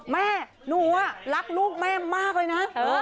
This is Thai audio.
แม่หนูรักลูกแม่มากเลยนะ